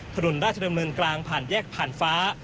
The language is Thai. ถนนราชดำเนินกลางผ่านแยกผ่านฟ้า